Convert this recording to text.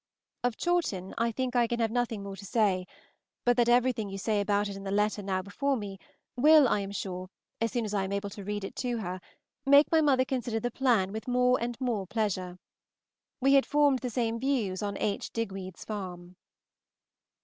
Of Chawton I think I can have nothing more to say, but that everything you say about it in the letter now before me will, I am sure, as soon as I am able to read it to her, make my mother consider the plan with more and more pleasure. We had formed the same views on H. Digweed's farm.